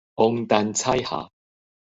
王陳彩霞